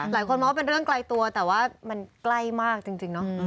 หลายคนมองว่าเป็นเรื่องไกลตัวแต่ว่ามันใกล้มากจริงเนาะ